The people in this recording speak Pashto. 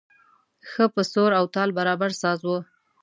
ښه په سور او تال برابر ساز و.